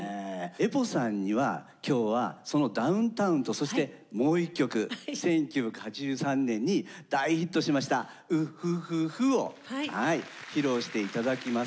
ＥＰＯさんには今日はその「ＤＯＷＮＴＯＷＮ」とそしてもう一曲１９８３年に大ヒットしました「う、ふ、ふ、ふ、」を披露して頂きます。